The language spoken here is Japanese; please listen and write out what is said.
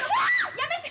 やめて！